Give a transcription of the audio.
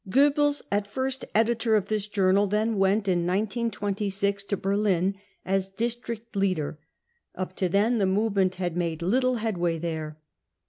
Goebbels, aTfirst editor of this journal, then went in 1926 to Berlin as district leader ; up to then the movement had made little headway there.